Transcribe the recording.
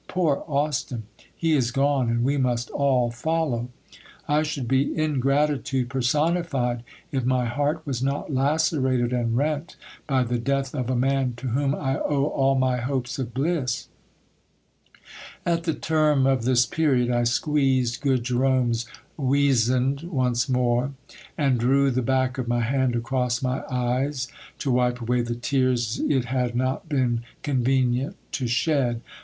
Poor Austin ! He is gone, and we must all follow ! I should be ingratitude personified, if my heart was not lacerated and rent by the death of a man to whom I owe all my hopes of bliss. At the HISTOR Y OF DON RAPHAEL 1 73 term of this period, I squeezed good Jerome's wezand once more, and drew the back of my hand across my eyes, to wipe away the tears it had not been conve nient to shed.